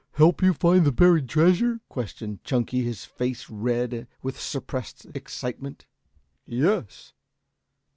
"Help help you find the buried treasure?" questioned Chunky, his face red with suppressed excitement. "Yes."